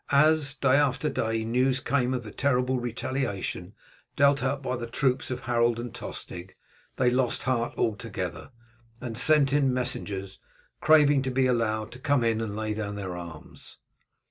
As, day after day, news came of the terrible retaliation dealt out by the troops of Harold and Tostig they lost heart altogether, and sent in messengers craving to be allowed to come in and lay down their arms.